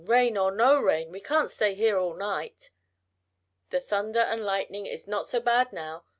Rain or no rain, we can't stay here all night. The thunder and lightning is not so bad now.